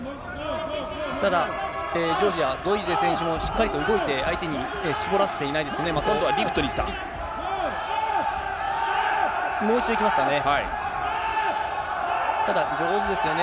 ただ、ジョージア、ゾイゼ選手もしっかりと動いて、相手に絞らせていないですね。